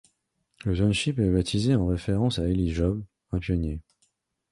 Le township est baptisé en référence à Eli Job, un pionnier.